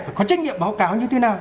phải có trách nhiệm báo cáo như thế nào